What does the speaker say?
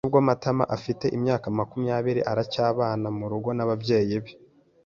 Nubwo Matama afite imyaka makumyabiri, aracyabana murugo n'ababyeyi be.